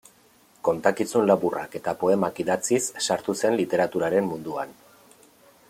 Kontakizun laburrak eta poemak idatziz sartu zen literaturaren munduan.